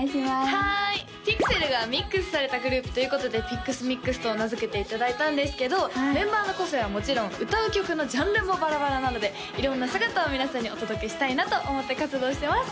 はいピクセルがミックスされたグループということでＰｉＸＭｉＸと名付けていただいたんですけどメンバーの個性はもちろん歌う曲のジャンルもバラバラなので色んな姿を皆さんにお届けしたいなと思って活動してます